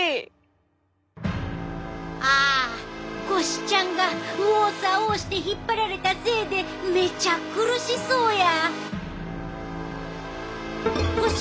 あ腰ちゃんが右往左往して引っ張られたせいでめっちゃ苦しそうや！